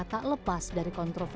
tak lepas dari kepentingan kpk